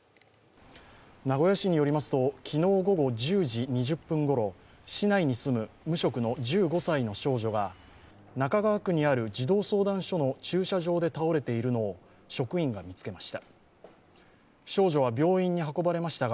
名古屋市によりますと昨日午後１０時２０分頃、市内に住む無職の１５歳の少女が中川区にある児童相談所の駐車場で倒れているのを職員が見つけました。